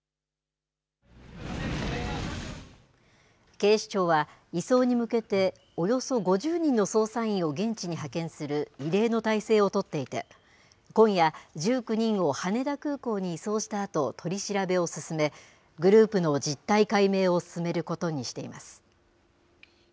警視庁は、移送に向けておよそ５０人の捜査員を現地に派遣する、異例の態勢を取っていて、今夜、１９人を羽田空港に移送したあと取り調べを進め、グループの実態解明を進めることにしています。